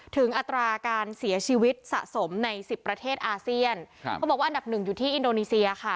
อัตราการเสียชีวิตสะสมในสิบประเทศอาเซียนครับเขาบอกว่าอันดับหนึ่งอยู่ที่อินโดนีเซียค่ะ